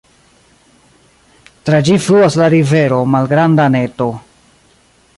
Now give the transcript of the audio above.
Tra ĝi fluas la rivero Malgranda Neto.